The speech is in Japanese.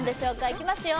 いきますよ